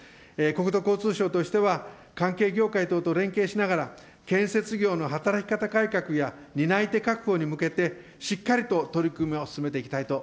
国土交通省としては、関係業界と連携しながら、建設業の働き方改革や担い手確保に向けて、しっかりと取り組みを進めていきたいと